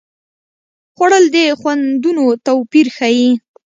خوړل د خوندونو توپیر ښيي